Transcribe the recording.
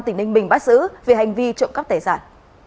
tỉnh ninh bình bắt giữ về hành vi trộm cắp tài sản